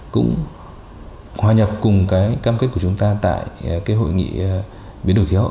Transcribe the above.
cũng hòa nhập cùng cái cam kết của chúng ta tại cái hội nghị biến đổi khí hậu